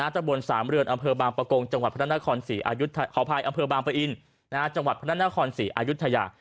ตะบลสามเรือนอำเภอบางปะกงจังหวัดพนัทนครศรีอายุทยา